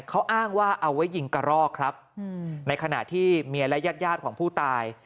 เขาอ้างว่าเอาไว้ยิงกระรอกครับในขณะที่เมียและญาติของผู้ตาย